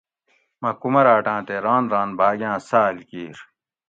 مۤہ کُمراٹاں تے راۤن راۤن بھاۤگاۤں ساۤل کِیر